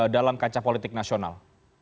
dalam kaca politik nasional